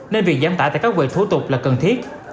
nên việc giám tả tại các vệ thu tục là cần thiết